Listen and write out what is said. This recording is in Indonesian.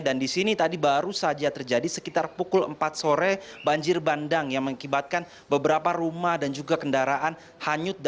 dan di sini tadi baru saja terjadi sekitar pukul empat sore banjir bandang yang mengibatkan beberapa rumah dan juga kendaraan hanyut